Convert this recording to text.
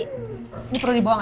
ini perlu dibawa kan ini